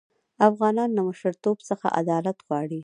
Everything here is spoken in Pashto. افغانان له مشرتوب څخه عدالت غواړي.